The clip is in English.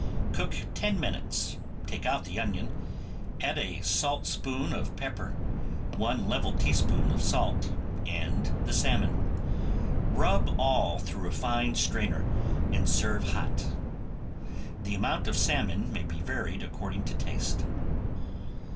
Cook ten minutes, take out the onion, add a saltspoon of pepper, one level teaspoon of salt and the salmon. Rub all through a fine strainer, and serve hot. The amount of salmon may be varied according to taste.